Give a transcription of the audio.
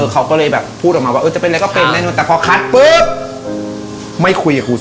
เออเขาก็เลยแบบพูดออกมาว่าเออจะเป็นอะไรก็เป็นแน่นอนอ่ะแต่พอคัดไม่คุยกับถูก